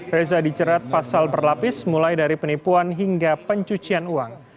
reza dijerat pasal berlapis mulai dari penipuan hingga pencucian uang